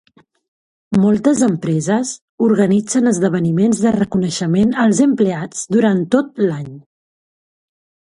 Moltes empreses organitzen esdeveniments de reconeixement als empleats durant tot l'any.